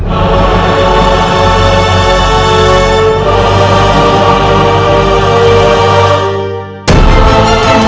baik ayahanda prabu